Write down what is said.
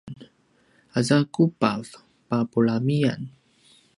aza kubav papulamian